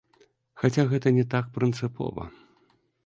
Хаця гэта не так прынцыпова.